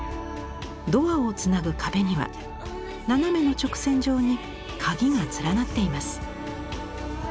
ドアをつなぐ壁には斜めの直線状にカギが連なっています。